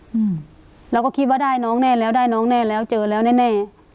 อืมเราก็คิดว่าได้น้องแน่แล้วได้น้องแน่แล้วเจอแล้วแน่แน่